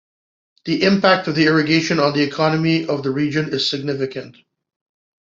The impact of the irrigation on the economy of the region is significant.